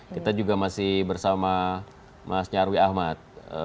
kita juga masih bersama mas nyarwi ahmad